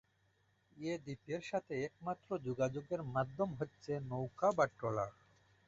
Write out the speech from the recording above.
এ দ্বীপের সাথে একমাত্র যোগাযোগ মাধ্যম হচ্ছে নৌকা বা ট্রলার।